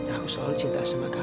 aku selalu cinta sama kamu